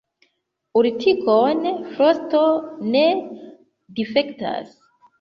Urtikon frosto ne difektas.